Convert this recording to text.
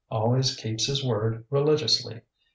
Always keeps his word religiously.